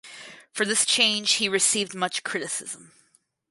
For this change he received much criticism.